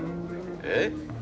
えっ？